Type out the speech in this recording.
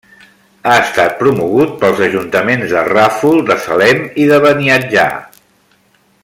Ha estat promogut pels ajuntaments de Ràfol de Salem i de Beniatjar.